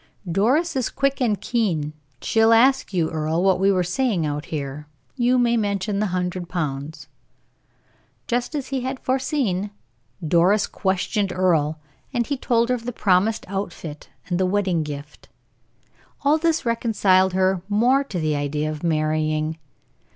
"Doris is quick and keen. She'll ask you, Earle, what we were saying out here. You may mention the hundred pounds." Just as he had foreseen, Doris questioned Earle, and he told her of the promised outfit and the wedding gift. All this reconciled her more to the idea of marrying.